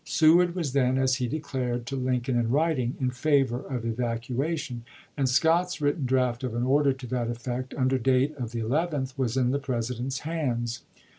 Seward was then, as he declared to Lincoln in writing, in favor of evacuation ; and Scott's written draft of an order to that effect, under date of the 11th, was in the President's hands.